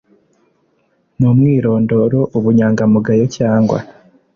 N Umwirondoro Ubunyangamugayo Cyangwa